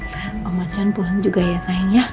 ya dan om acan pulang juga ya sayang ya